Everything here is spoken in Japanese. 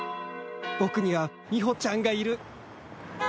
僕にはみほちゃんがいる！